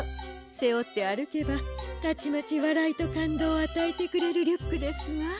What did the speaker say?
せおってあるけばたちまちわらいとかんどうをあたえてくれるリュックですわ。